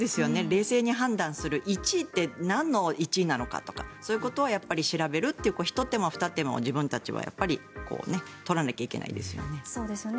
冷静に判断する１位ってなんの１位なのかそういうことを調べるひと手間、ふた手間を自分たちは取らなきゃいけないですよね。